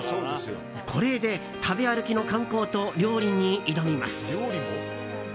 これで食べ歩きの観光と料理に挑みます。